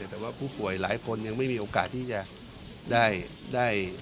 แต่ว่าผู้ป่วยหลายคนยังไม่มีโอกาสที่จะได้